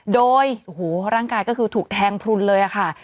โดยโอ้โหร่างกายก็คือถูกแทงพลุนเลยค่ะ